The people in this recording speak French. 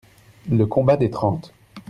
le Combat des Trente.